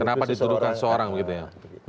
kenapa dituduhkan seorang begitu ya